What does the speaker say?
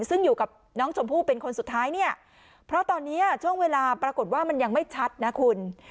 ซึ่งอยู่กับน้องชมพู่เป็นคนสุดท้ายเนี่ยเพราะตอนนี้ช่วงเวลาปรากฏว่ามันยังไม่ชัดนะคุณ